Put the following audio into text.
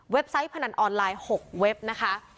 ไซต์พนันออนไลน์๖เว็บนะคะ